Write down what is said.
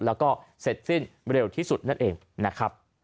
แล้วก็เสร็จสิ้นเร็วที่สุดนั่นเองนะครับ